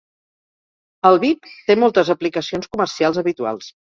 El BiB té moltes aplicacions comercials habituals.